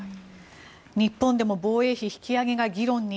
日本でも防衛費引き上げが議論に。